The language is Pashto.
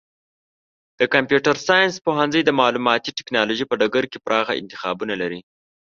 د کمپیوټر ساینس پوهنځی د معلوماتي ټکنالوژۍ په ډګر کې پراخه انتخابونه لري.